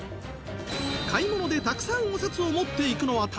買い物でたくさんお札を持っていくのは大変！